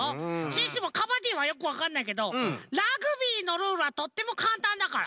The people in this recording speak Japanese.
シュッシュもカバディはよくわかんないけどラグビーのルールはとってもかんたんだから。